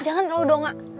jangan lu dong kak